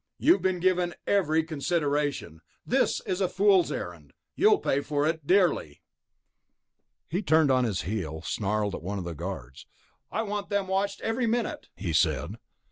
You've been given every consideration. If this is a fool's errand, you'll pay for it very dearly." He turned on his heel, snarled at one of the guards. "I want them watched every minute," he said.